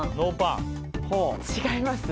違います？